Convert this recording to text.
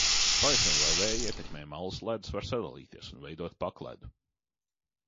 Paisuma vai vēja ietekmē malasledus var sadalīties un veidot pakledu.